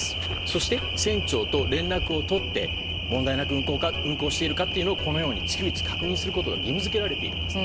そして、船長と連絡を取って問題なく運航しているかを逐一確認することが義務付けられているんです。